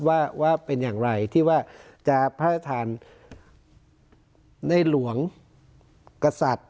ว่าเป็นอย่างไรที่ว่าจะพระราชทานในหลวงกษัตริย์